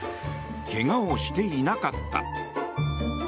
けがをしていなかった。